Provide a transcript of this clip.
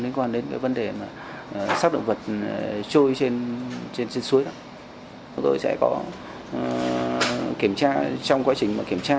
nên cái vấn đề sát động vật trôi trên suối đó chúng tôi sẽ có kiểm tra trong quá trình mà kiểm tra